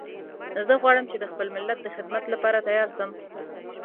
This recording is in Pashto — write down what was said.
زه غواړم چې د خپل ملت د خدمت لپاره تیار شم